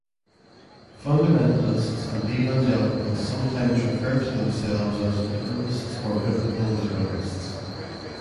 Fundamentalists and evangelicals sometimes refer to themselves as literalists or biblical literalists.